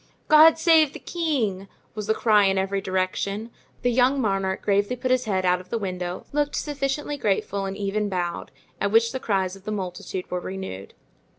"God save the king!" was the cry in every direction; the young monarch gravely put his head out of the window, looked sufficiently grateful and even bowed; at which the cries of the multitude were renewed.